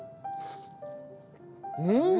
うん！